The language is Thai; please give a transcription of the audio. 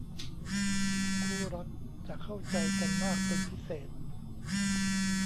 คู่รักจะเข้าใจกันมากเป็นพิเศษ